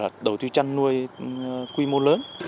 thế rồi là đầu tư chăn nuôi quy mô lớn